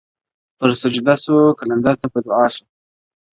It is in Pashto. پر سجده سو قلندر ته په دعا سو؛